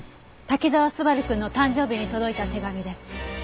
滝沢昴くんの誕生日に届いた手紙です。